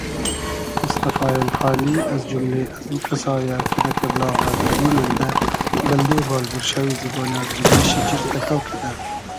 موستئفا اېلخانی از جوملې ازوکئسا یۂ کی دۂ کېبلاغی آزرگی مئندۂ بئلدې بال بورشئوی زیبۉنی آزرگی شیجیر تئکۆ کیدۂ